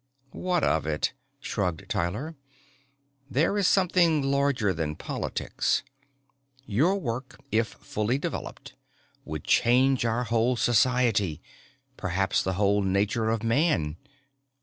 "What of it?" shrugged Tyler. "This is something larger than politics. Your work, if fully developed, would change our whole society, perhaps the whole nature of man.